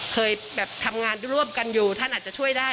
เคยแบบทำงานร่วมกันอยู่ท่านอาจจะช่วยได้